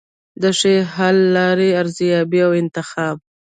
د ښې حل لارې ارزیابي او انتخاب.